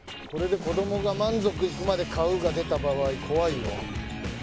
これで子供が満足いくまで買うが出た場合怖いよ。